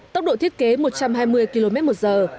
tốc độ thiết kế một trăm hai mươi km một giờ